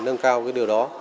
nâng cao điều đó